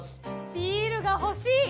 ビールが欲しい！